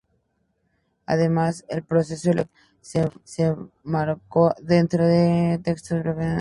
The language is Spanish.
Además, el proceso electoral se enmarcó dentro del crítico contexto del Bloqueo de Berlín.